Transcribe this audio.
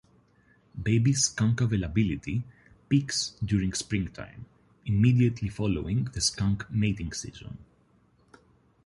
Baby skunk availability peaks during springtime, immediately following the skunk mating season.